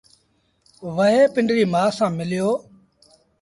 وهي پنڊريٚ مآ سآݩ مليو